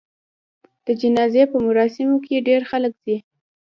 د جنازې په مراسمو کې ډېر خلک ځي.